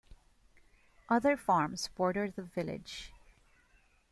Other farms border the village.